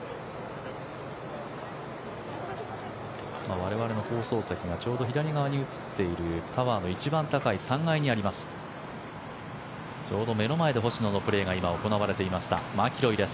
我々の放送席がちょうど左に映っているタワーの一番高い３階にあります。